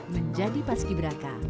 menjadi paski beraka